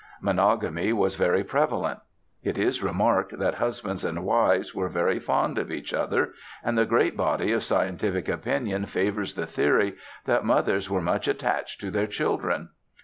"Monogamy was very prevalent." It is remarked that husbands and wives were very fond of each other, and the great body of scientific opinion favours the theory that mothers were much attached to their children.